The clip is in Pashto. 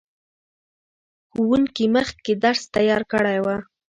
ښوونکي مخکې درس تیار کړی و.